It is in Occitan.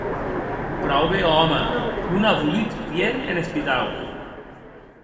Praube òme, non a volut vier en espitau.